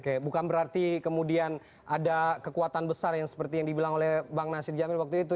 oke bukan berarti kemudian ada kekuatan besar yang seperti yang dibilang oleh bang nasir jamil waktu itu